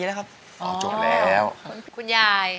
อันดับนี้เป็นแบบนี้